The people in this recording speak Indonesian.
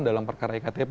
dalam perkara iktp